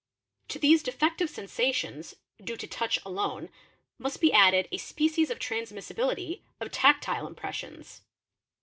To these defective sensations, due to touch alone, must be added a F "species of transmissibility of tactile impressions.